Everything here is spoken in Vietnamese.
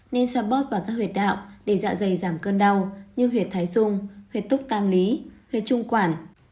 nên xoa bóp vào các huyệt đạo để dạ dày giảm cơn đau như huyệt thái sung huyệt túc tam lý huyệt trung quản